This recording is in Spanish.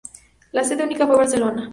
La sede única fue Barcelona.